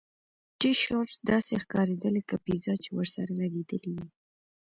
ټي شرټ داسې ښکاریده لکه پیزا چې ورسره لګیدلې وي